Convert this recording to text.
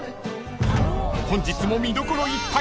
［本日も見どころいっぱい］